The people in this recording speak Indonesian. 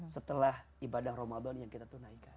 setelah ibadah ramadan yang kita tunaikan